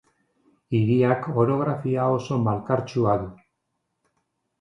Hiriak orografia oso malkartsua du.